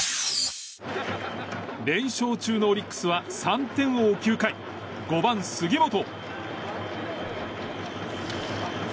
連勝中のオリックスは３点を追う９回、５番の杉本。